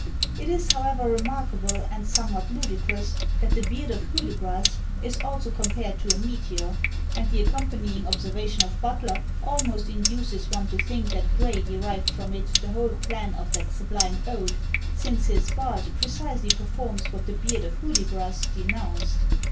It is, however, remarkable, and somewhat ludicrous, that the beard of Hudibras is also compared to a meteor: and the accompanying observation of Butler almost induces one to think that Gray derived from it the whole plan of that sublime Ode since his Bard precisely performs what the beard of Hudibras denounced.